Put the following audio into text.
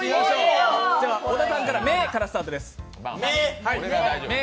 小田さんから「め」からスタートです。